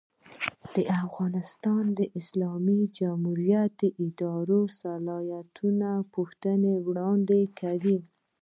د افغانستان اسلامي جمهوریت د اداري اصلاحاتو پوښتنې وړاندې کوي.